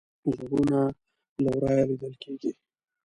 غرونه له ورایه لیدل کیږي